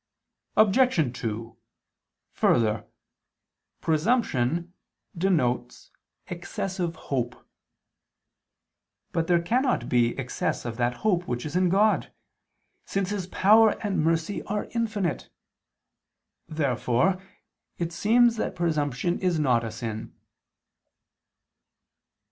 Obj. 2: Further, presumption denotes excessive hope. But there cannot be excess of that hope which is in God, since His power and mercy are infinite. Therefore it seems that presumption is not a sin.